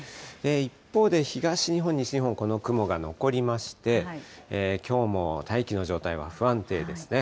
一方で、東日本、西日本、この雲が残りまして、きょうも大気の状態は不安定ですね。